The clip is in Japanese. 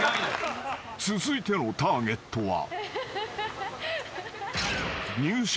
［続いてのターゲットは］